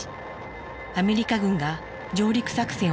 アメリカ軍が上陸作戦を開始。